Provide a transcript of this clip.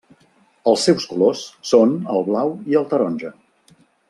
Els seus colors són el blau i el taronja.